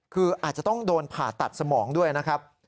คืออาจจะต้องโดนผ่าตัดสมองด้วยนะครับ